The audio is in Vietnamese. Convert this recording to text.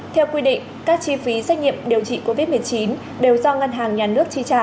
theo quy định các chi phí xét nghiệm điều trị covid một mươi chín đều do ngân hàng nhà nước chi trả